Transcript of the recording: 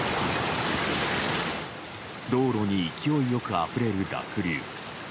道路に勢いよくあふれる濁流。